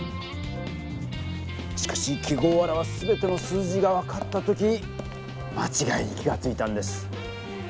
しかし記号を表すすべての数字が分かった時間ちがいに気がついたんです。